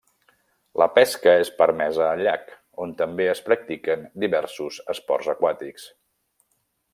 La pesca és permesa al llac, on també es practiquen diversos esports aquàtics.